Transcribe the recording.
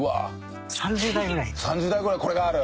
３０台ぐらいこれがある？